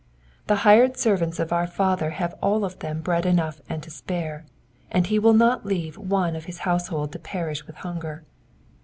The hired servants of our Father have all of the^i, bread enough and to spare, and he will not leave one of his household to perish with hunger.